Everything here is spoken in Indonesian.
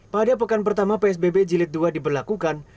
pada pekan pertama psbb jilid dua diberlakukan